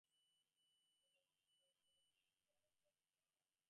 ইতিমধ্যে মধুসূদন কখন পিছনে এসে দেয়ালে-ঝোলানো আয়নায় কুমুর মুখের প্রতিবিম্বের দিকে তাকিয়ে রইল।